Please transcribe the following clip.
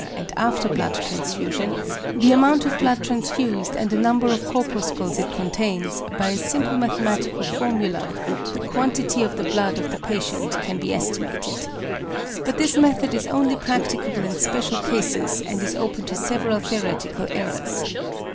From the number of red blood corpuscles of the patient before and after blood transfusion, the amount of blood transfused and the number of corpuscles it contains, by a simple mathematical formula the quantity of the blood of the patient can be estimated. But this method is only practicable in special cases and is open to several theoretical errors.